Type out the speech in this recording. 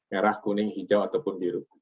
merah kuning hijau ataupun biru